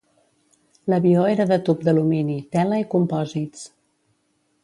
L'avió era de tub d'alumini, tela i compòsits.